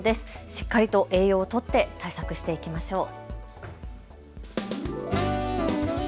しっかりと栄養をとって対策していきましょう。